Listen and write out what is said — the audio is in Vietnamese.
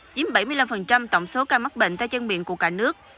chiếm bảy mươi năm tổng số ca mắc bệnh tay chân miệng của cả nước